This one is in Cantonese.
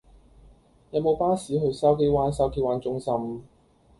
有無巴士去筲箕灣筲箕灣中心